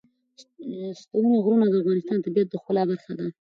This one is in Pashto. ستوني غرونه د افغانستان د طبیعت د ښکلا برخه ده.